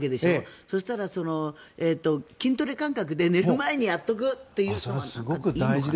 そしたら、筋トレ感覚で寝る前にやっとくというのはいいのかな？